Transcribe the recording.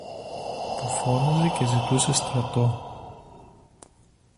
που φώναζε και ζητούσε στρατό.